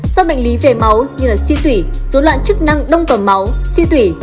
do bệnh lý về máu như suy tủy số loạn chức năng đông tầm máu suy tủy